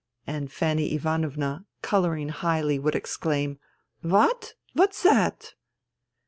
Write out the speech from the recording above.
" And Fanny Ivanovna, colouring highly, would exclaim :" What— what's that